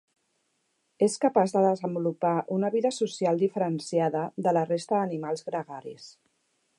És capaç de desenvolupar una vida social diferenciada de la resta d'animals gregaris.